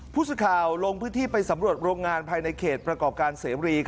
ผู้สื่อข่าวลงพื้นที่ไปสำรวจโรงงานภายในเขตประกอบการเสรี